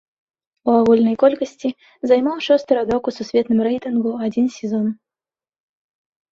У агульнай колькасці займаў шосты радок у сусветным рэйтынгу адзін сезон.